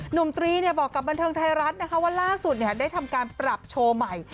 ตรีบอกกับบันเทิงไทยรัฐนะคะว่าล่าสุดได้ทำการปรับโชว์ใหม่